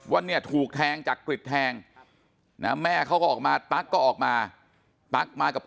ว่าเนี่ยถูกแทงจักริตแทงนะแม่เขาก็ออกมาตั๊กก็ออกมาตั๊กมากับ